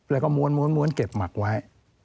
แล้วก็ม้วนเก็บหมักไว้